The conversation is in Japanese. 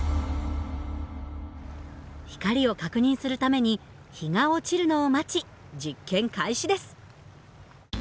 光を確認するために日が落ちるのを待ち実験開始です。